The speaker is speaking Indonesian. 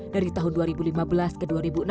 dari tahun dua ribu lima belas ke dua ribu enam belas